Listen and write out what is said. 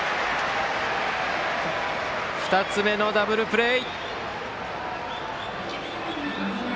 ２つ目のダブルプレー。